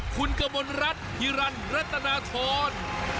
คุณกระบวนรัฐฮิรันรัฐนาทน